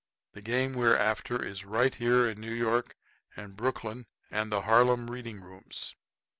The game we're after is right here in New York and Brooklyn and the Harlem reading rooms.